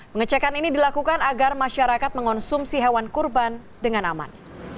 pengecekan ini dilakukan agar masyarakat mengonsumsi hewan kurban dengan aman